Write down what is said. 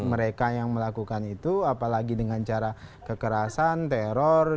mereka yang melakukan itu apalagi dengan cara kekerasan teror